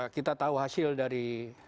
kita tahu hasil dari